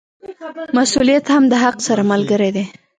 مسوولیت هم د حق سره ملګری دی.